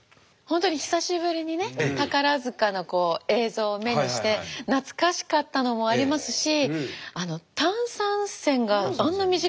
本当に久しぶりにね宝塚の映像を目にして懐かしかったのもありますし。